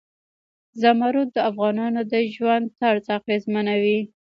زمرد د افغانانو د ژوند طرز اغېزمنوي.